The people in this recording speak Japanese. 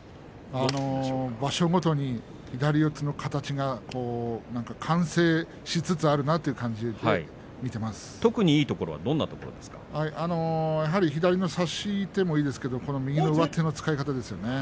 場所ごとに左四つの形が完成しつつあるなという感じで特にいいところは左の差し手もいいですが右手の使い方です。